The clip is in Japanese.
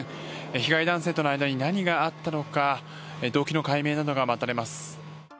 被害男性との間に何があったのか動機の解明などが待たれます。